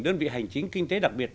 đơn vị hành chính kinh tế đặc biệt